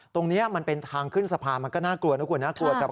ตรงนี้มันเป็นทางขึ้นสะพานมันก็น่ากลัวนะคุณน่ากลัวครับ